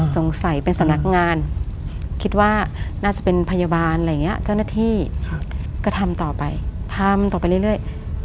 สงสัยเป็นสำนักงานคิดว่าน่าจะเป็นพยาบาลอะไรอย่างนี้เจ้าหน้าที่ก็ทำต่อไปทำต่อไปเรื่อย